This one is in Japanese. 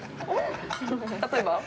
例えば？